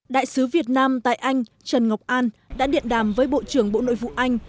đại sứ việt nam tại anh trần ngọc an đã điện đàm với bộ trưởng bộ nội vụ anh